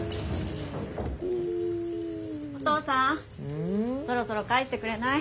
お父さんそろそろ返してくれない？